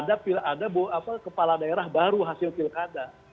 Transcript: ada kepala daerah baru hasil pilkada